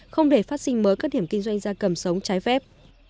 không để phát sinh mới các điểm kinh doanh gia cầm sống trái phép